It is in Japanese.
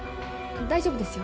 大丈夫ですよ。